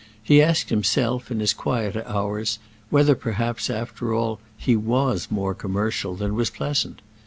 He asked himself, in his quieter hours, whether perhaps, after all, he was more commercial than was pleasant.